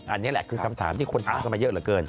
อันนี้แหละคือคำถามที่คนถามกันมาเยอะเหลือเกิน